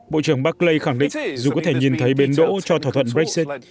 bộ trưởng buckley khẳng định dù có thể nhìn thấy bến đỗ cho thỏa thuận brexit